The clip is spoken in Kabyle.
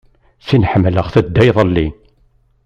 Tin ḥemmleɣ tedda iḍelli.